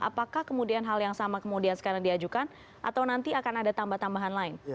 apakah kemudian hal yang sama kemudian sekarang diajukan atau nanti akan ada tambah tambahan lain